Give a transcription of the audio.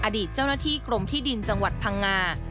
อดีตเจ้าหน้าที่กรมที่ดินจังหวัดพังงา